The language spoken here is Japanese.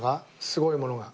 すごいものが。